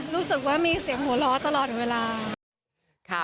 รู้สึกว่ามีเสียงหัวเราะตลอดเวลา